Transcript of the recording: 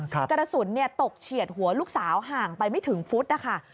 กระสุนตกเฉียดหัวลูกสาวห่างไปไม่ถึงฟุตนะคะ